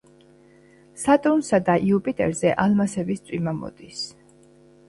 სატურნსა და იუპიტერზე ალმასების წვიმა მოდის.